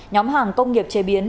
nhóm hàng công nghiệp chế biến